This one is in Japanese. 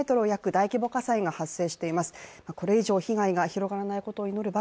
大規模火災が発生しています。